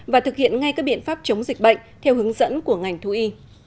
và thực hiện ngay các biện pháp chống dịch bệnh theo hướng dẫn của ngành thú y